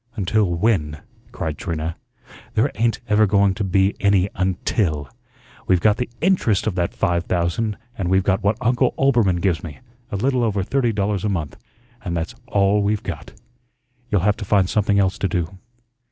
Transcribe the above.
"Until WHEN?" cried Trina. "There ain't ever going to be any 'until.' We've got the INTEREST of that five thousand and we've got what Uncle Oelbermann gives me, a little over thirty dollars a month, and that's all we've got. You'll have to find something else to do."